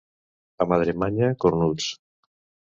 A Madremanya, cornuts.